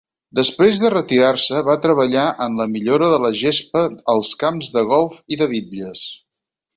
Després de retirar-se, va treballar en la millora de la gespa als camps de golf i de bitlles.